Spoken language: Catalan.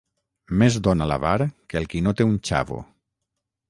Més dóna l'avar que el qui no té un 'xavo'.